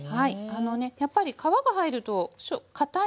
あのねやっぱり皮が入るとかたいのでね